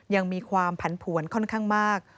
ยังมีความผันผวนค่อนข้างมาก